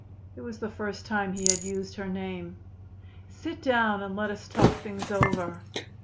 It was the first time he had used her name. "Sit down and let us talk things over."